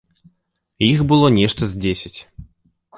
Іх было нешта з дзесяць.